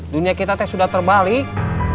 dunia kita sudah terbalik